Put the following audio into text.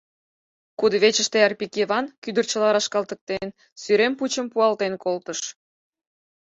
Кудывечыште Арпик Йыван, кӱдырчыла рашкалтыктен, сӱрем пучым пуалтен колтыш.